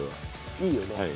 いいよね。